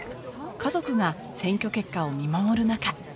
家族が選挙結果を見守るなか